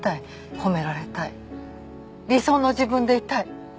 褒められたい理想の自分でいたい。